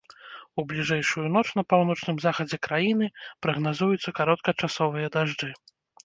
У бліжэйшую ноч на паўночным захадзе краіны прагназуюцца кароткачасовыя дажджы.